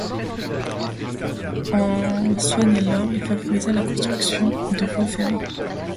En Saône-et-Loire, il favorisa la construction de voies ferrées.